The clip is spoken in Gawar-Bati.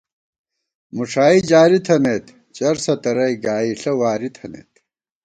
مُݭائی جاری تھنَئیت، چرسہ تَرَئی گائیݪہ واری تھنَئیت